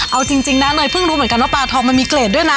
เอาจริงนะเนยเพิ่งรู้เหมือนกันว่าปลาทองมันมีเกรดด้วยนะ